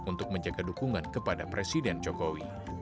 untuk menjaga dukungan kepada presiden jokowi